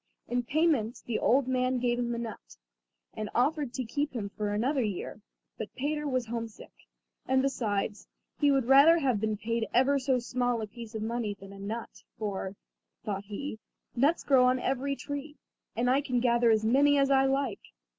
In payment the old man gave him a nut, and offered to keep him for another year; but Peter was home sick; and, besides, he would rather have been paid ever so small a piece of money than a nut; for, thought he, nuts grow on every tree, and I can gather as many as I like.